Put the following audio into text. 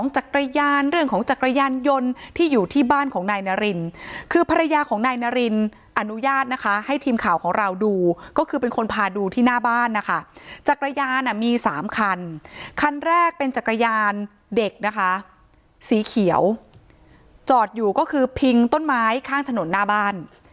จักรยานของนายนรินอนุญาตให้ทีมข่าวดูเป็นคนพาดูที่หน้าบ้านจักรยานมี๓คันคันแรกเป็นจักรยานเด็กสีเขียวจอดอยู่พิงต้นไม้ข้างถนนหน้าบ้าน